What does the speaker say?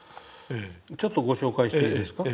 ちょっとご紹介していいですか？